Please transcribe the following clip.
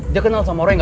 dia kenal sama orang